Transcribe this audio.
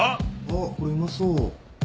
あっこれうまそう。